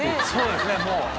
そうですねもう。